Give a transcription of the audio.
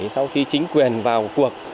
sau khi chính quyền vào cuộc